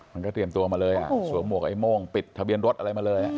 มันก็เตรียมตัวมาเลยสวมหวกไอ้โม่งปิดทะเบียนรถอะไรมาเลย